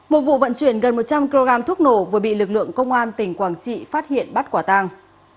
một vụ vận chuyển gần một trăm linh kg thuốc nổ vừa bị lực lượng công an tỉnh quảng trị phát hiện bắt quả tàng